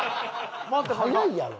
早いやろ。